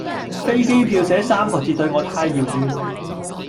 飛機票這三個字對我太遙遠